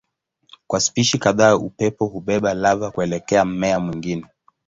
Kwa spishi kadhaa upepo hubeba lava kuelekea mmea mwingine.